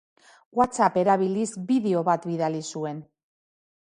WhatsApp erabiliz bideo bat bidali zuen.